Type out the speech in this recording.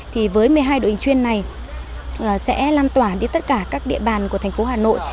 thì với một mươi hai đội hình chuyên này sẽ lan tỏa đi tất cả các địa bàn của thành phố hà nội